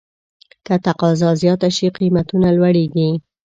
که تقاضا زیاته شي، قیمتونه لوړېږي.